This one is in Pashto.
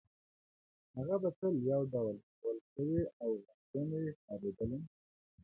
هغه به تل یو ډول نیول شوې او غمجنې ښکارېدله